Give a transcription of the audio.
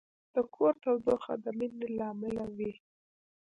د کور تودوخه د مینې له امله وي.